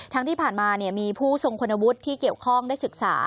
ทั้งที่ผ่านมามีผู้ส่งคุณวุฒิที่เกียรติเข้าข้องได้ศึกษา